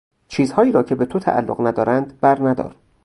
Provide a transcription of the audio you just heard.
چیزهایی را که به تو تعلق ندارند بر ندار!